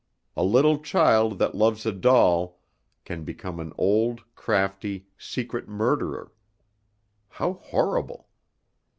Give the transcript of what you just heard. A little child that loves a doll can become an old, crafty, secret murderer. How horrible!